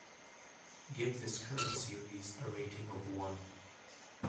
Give this current series a rating of one.